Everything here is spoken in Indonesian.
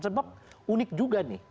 sebab unik juga nih